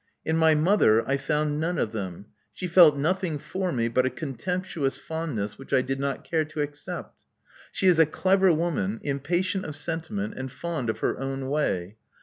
In my mother I found none of them: she felt nothing for me but a contemptuous fondness which I did not care to accept. She is a clever woman, impatient of sentiment, and fond of her own way.